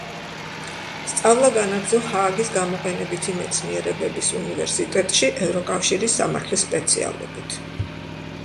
სწავლა განაგრძო ჰააგის გამოყენებითი მეცნიერებების უნივერსიტეტში ევროკავშირის სამართლის სპეციალობით.